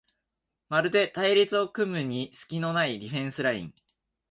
まるで隊列を組むようにすきのないディフェンスライン